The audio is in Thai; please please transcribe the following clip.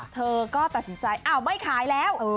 เธอก็ตัดสินใจอ้าวไม่ขายแล้ว